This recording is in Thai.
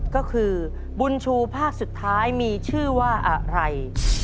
ก็คือบุญชูภาคสุดท้ายมีชื่อว่าอะไร